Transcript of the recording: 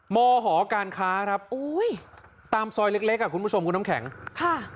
มหอการค้าครับโอ้ยตามซอยเล็กเล็กอ่ะคุณผู้ชมคุณน้ำแข็งค่ะ